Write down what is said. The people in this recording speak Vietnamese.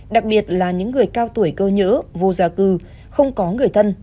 đặc biệt là những người cao tuổi cơ nhỡ vô gia cư không có người thân